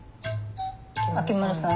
秋丸さん。